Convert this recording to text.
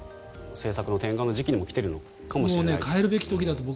政策の転換の時期にも来ているかもと。